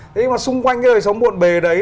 thế nhưng mà xung quanh cái đời sống muộn bề đấy